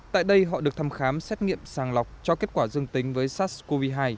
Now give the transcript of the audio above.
tại đây họ được thăm khám xét nghiệm sàng lọc cho kết quả dương tính với sars cov hai